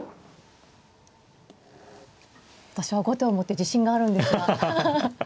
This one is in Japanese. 私は後手を持って自信があるんですが。